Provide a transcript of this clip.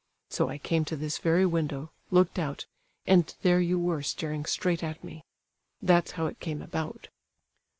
So I came to this very window, looked out, and there you were staring straight at me. That's how it came about."